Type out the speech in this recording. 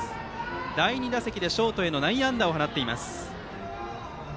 第２打席でショートへの内野安打を放っています。